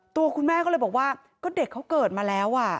ตัวคุณแม่ก็เลยบอกว่าก็เด็กเขาเกิดมาแล้ว